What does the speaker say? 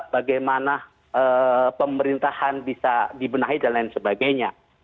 bagaimana pemerintahan bisa dibenahi dan lain sebagainya